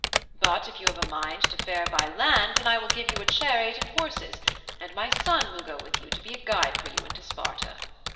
But if you have a mind to fare by land then will I give you a chariot and horses, and my son will go with you to be a guide for you into Sparta.'